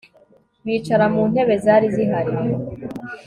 bicara muntebe zari zihari